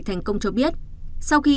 thành công cho biết sau khi